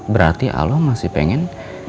berarti alo masih pengen